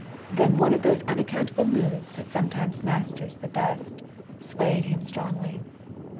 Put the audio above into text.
Then one of those unaccountable moods that sometimes masters the best swayed him strongly.